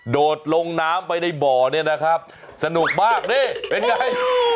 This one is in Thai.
โดดลงน้ำไปในบ่อเนี่ยนะครับสนุกมากนี่เป็นไง